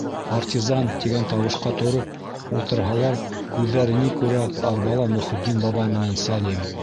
Партизан! - тигән тауышҡа тороп ултырһалар, күҙҙәре ни күрә, арбала Мөхөтдин бабай менән Сәлим.